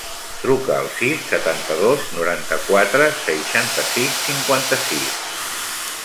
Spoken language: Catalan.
Truca al sis, setanta-dos, noranta-quatre, seixanta-sis, cinquanta-sis.